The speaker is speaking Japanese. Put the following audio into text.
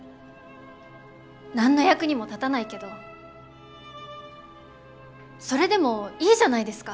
何の役にも立たないけどそれでもいいじゃないですか！